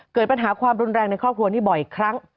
เกิดปัญหาความรุนแรงในครอบครัวนี้บ่อยครั้ง